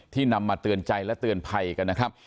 นำมาเตือนใจและเตือนภัยกันนะครับ